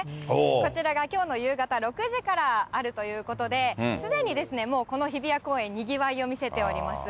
こちらがきょうの夕方６時からあるということで、すでにもうこの日比谷公園、にぎわいを見せております。